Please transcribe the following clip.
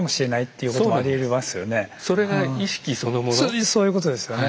そうそういうことですよね。